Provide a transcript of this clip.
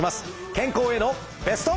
健康へのベスト。